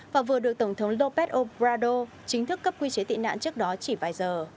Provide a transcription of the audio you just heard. và vừa được tổng thống ropet obrador chính thức cấp quy chế tị nạn trước đó chỉ vài giờ